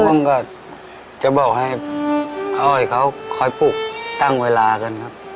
ผมก็จะบอกให้ป้าอ้อยเขาคอยปลูกตั้งเวลากันครับ